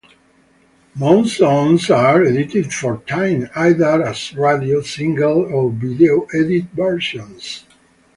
Most songs are edited for time, either as radio, single, or video edit versions.